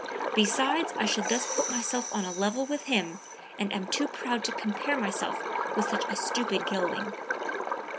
Besides I should thus put myself on a level with him, and I am too proud to compare myself with such a stupid gelding."